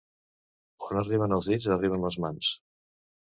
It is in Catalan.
On arriben els dits, arriben les mans.